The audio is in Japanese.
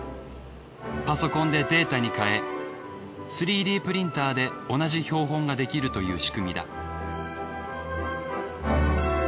パソコンでデータに変え３Ｄプリンターで同じ標本ができるという仕組みだ。